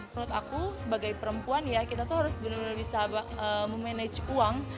menurut aku sebagai perempuan ya kita tuh harus benar benar bisa memanage uang